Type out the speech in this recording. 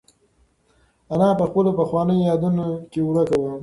انا په خپلو پخوانیو یادونو کې ورکه وه.